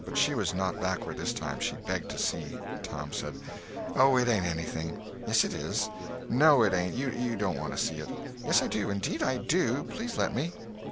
But she was not backward this time. She begged to see. Tom said: "Oh, it ain't anything." "Yes it is." "No it ain't. You don't want to see." "Yes I do, indeed I do. Please let me."